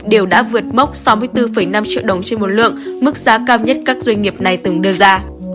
đều đã vượt mốc sáu mươi bốn năm triệu đồng trên một lượng mức giá cao nhất các doanh nghiệp này từng đưa ra